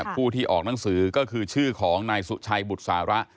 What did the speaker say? ผู้ที่ออกหนังสือก็คือชื่อของนายสุชัยบุตรสาระ